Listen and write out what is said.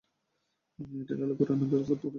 এটির আলোক ও রান্না ব্যবস্থা প্রোপেন চালিত।